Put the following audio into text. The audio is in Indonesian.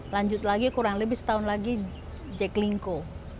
lanjut lagi kurang lebih setahun lagi j klingko